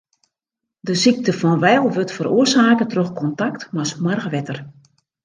De sykte fan Weil wurdt feroarsake troch kontakt mei smoarch wetter.